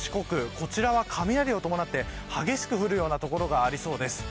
こちらは雷を伴って激しく降る所がありそうです。